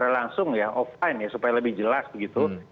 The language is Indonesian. langsung ya offline ya supaya lebih jelas begitu